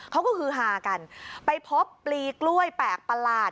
เขาก็ฮือฮากันไปพบปลีกล้วยแปลกประหลาด